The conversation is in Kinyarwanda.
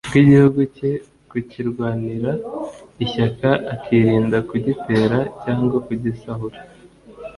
bw'igihugu ke, kukirwanira ishyaka, akirinda kugitera cyangwa kugisahura.